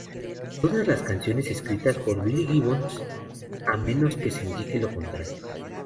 Todas las canciones escritas por Billy Gibbons, a menos que se indique lo contrario.